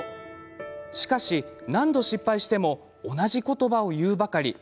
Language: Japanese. しかし、何度失敗しても同じ言葉を言うばかり。